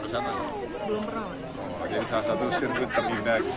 jadi salah satu sirkuit terlindah